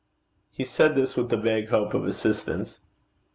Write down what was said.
He said this with a vague hope of assistance.